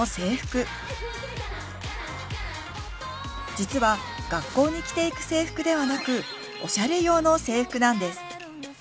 実は学校に着ていく制服ではなくおしゃれ用の制服なんです。